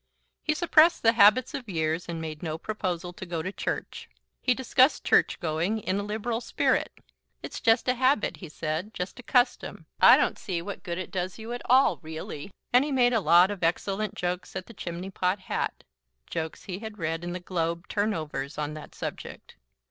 He suppressed the habits of years and made no proposal to go to church. He discussed church going in a liberal spirit. "It's jest a habit," he said, "jest a custom. I don't see what good it does you at all, really." And he made a lot of excellent jokes at the chimney pot hat, jokes he had read in the Globe 'turnovers' on that subject.